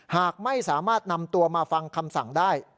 หากไม่สามารถนำตัวมาฟังคำสั่งได้